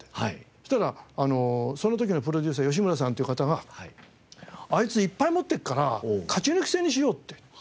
そしたらその時のプロデューサーヨシムラさんという方が「あいついっぱい持ってっから勝ち抜き戦にしよう」って。